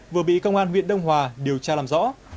vừa bị công an huyện đông hòa điều tra làm rõ